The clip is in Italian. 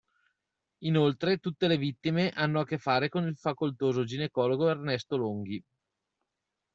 Inoltre tutte le vittime hanno a che fare con il facoltoso ginecologo Ernesto Longhi.